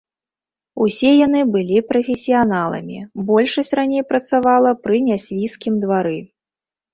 Усе яны былі прафесіяналамі, большасць раней працавала пры нясвіжскім двары.